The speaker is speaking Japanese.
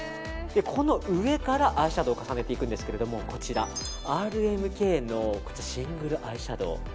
この上からアイシャドーを重ねていくんですがこちら、ＲＭＫのシングルアイシャドー。